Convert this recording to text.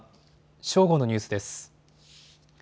正午のニュースです。